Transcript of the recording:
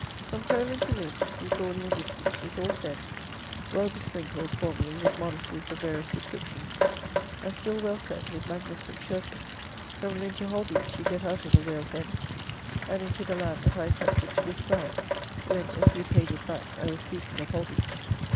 From Crowland to Lynn, through Thorney and Wisbeach, is all Fens, well besprinkled, formerly, with monasteries of various descriptions, and still well set with magnificent churches. From Lynn to Holbeach you get out of the real Fens, and into the land that I attempted to describe, when, a few pages back, I was speaking of Holbeach.